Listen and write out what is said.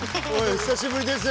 久しぶりです。